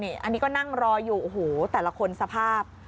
อันนี้ก็นั่งรออยู่โอ้โหแต่ละคนสภาพ